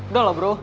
udah lah bro